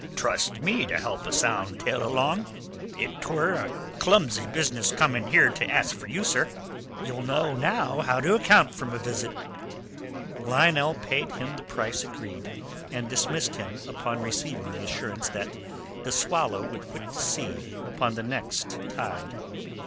"Trust me to help a sound tale along. 'T were a clumsy business to come here asking for you, sir. Ye'll know now how to account for my visit." Lionel paid him the price agreed and dismissed him upon receiving the assurance that the Swallow would put to sea upon the next tide.